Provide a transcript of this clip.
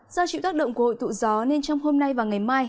do chịu tác động của hội tụ gió nên trong hôm nay và ngày mai